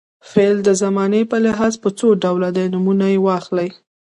فعل د زمانې په لحاظ په څو ډوله دی نومونه واخلئ.